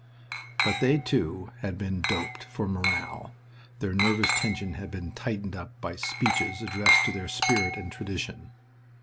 But they, too, had been "doped" for morale, their nervous tension had been tightened up by speeches addressed to their spirit and tradition.